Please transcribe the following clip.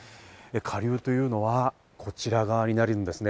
下流というのは、こちら側になるんですね。